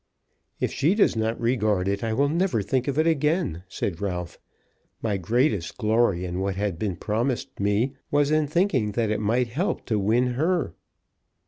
"If she does not regard it, I will never think of it again," said Ralph. "My greatest glory in what had been promised me was in thinking that it might help to win her."